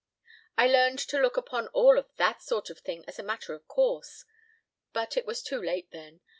I learned to look upon all that sort of thing as a matter of course. But it was too late then.